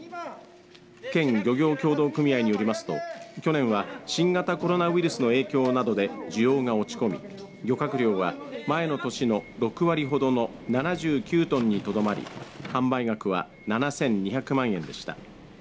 県漁業協同組合によりますと去年は新型コロナウイルスの影響などで需要が落ち込み漁獲量は、前の年の６割ほどの７９トンにとどまり販売額は７２００万円でした。